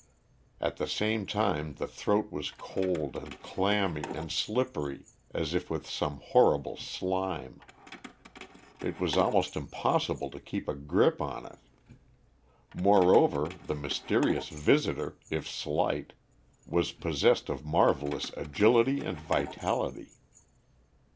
At the same time the throat was cold and clammy and slippery as if with some horrible slime. It was almost impossible to keep a grip on it. Moreover, the mysterious visitor, if slight, was possessed of marvelous agility and vitality.